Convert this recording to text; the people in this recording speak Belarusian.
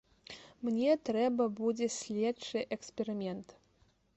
Мне трэба будзе следчы эксперымент.